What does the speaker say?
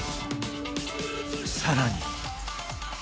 更に！